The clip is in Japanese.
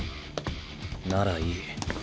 ならいい。